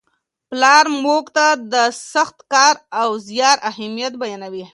پلار موږ ته د سخت کار او زیار اهمیت بیانوي.